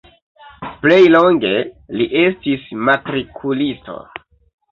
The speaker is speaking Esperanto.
Plej longe li estis matrikulisto.